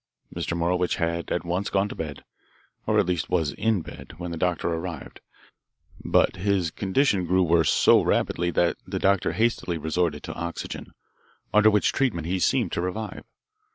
"Mr. Morowitch had at once gone to bed, or at least was in bed, when the doctor arrived, but his condition grew worse so rapidly that the doctor hastily resorted to oxygen, under which treatment he seemed to revive.